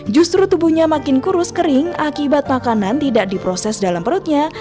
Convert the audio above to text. justru tubuhnya makin kurus kering akibat makanan tidak diproses dalam perutnya